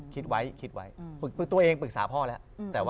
คิดไว่ปฏิติว่าตัวเองปรึกษาพ่อแล้ว